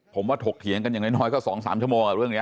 ผมว่าถกเถียงกันอย่างน้อยก็๒๓ชั่วโมงเรื่องนี้